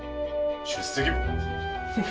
出席簿。